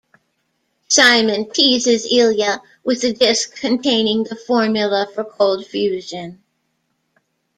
Simon teases Ilya with the disc containing the formula for cold fusion.